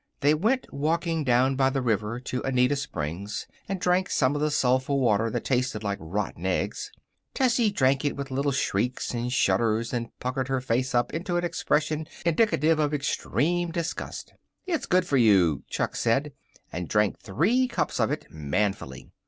They went walking down by the river to Oneida Springs, and drank some of the sulphur water that tasted like rotten eggs. Tessie drank it with little shrieks and shudders and puckered her face up into an expression indicative of extreme disgust. "It's good for you," Chuck said, and drank three cups of it, manfully.